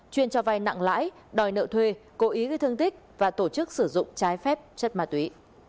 chuyên cho vay nặng lãi đòi nợ thuê cố ý gây thương tích và tổ chức sử dụng trái phép chất ma túy